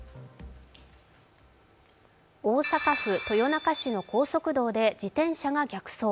大阪府豊中市の高速道で自転車が逆走。